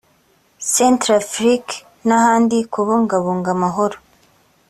Centrafrique n’ahandi ) kubungabunga amahoro